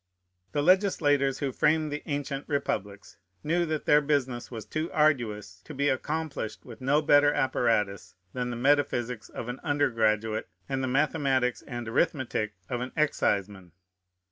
The legislators who framed the ancient republics knew that their business was too arduous to be accomplished with no better apparatus than the metaphysics of an undergraduate and the mathematics and arithmetic of an exciseman.